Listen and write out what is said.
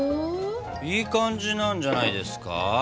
いい感じなんじゃないですか？